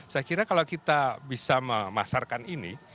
saya kira kalau kita bisa memasarkan ini